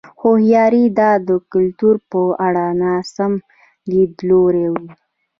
خو ښايي دا د کلتور په اړه ناسم لیدلوری وي.